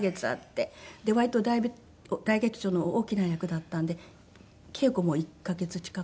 割と大劇場の大きな役だったんで稽古も１カ月近く。